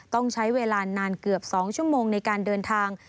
ต้องใช้เวลานานเกือบ๒ชั่วโมงในการเดินทาง